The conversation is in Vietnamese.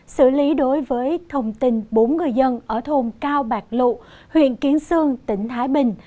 xử lý đối với thông tin bốn người dân ở thôn cao bạc lụ huyện kiến sương tỉnh thái bình